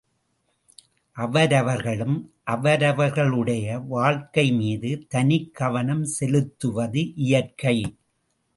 அவரவர்களும் அவரவர்களுடைய வாழ்க்கை மீது தனிக் கவனம் செலுத்துவது இயற்கை!